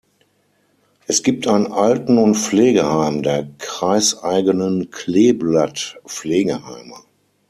Es gibt ein Alten- und Pflegeheim der kreiseigenen Kleeblatt Pflegeheime.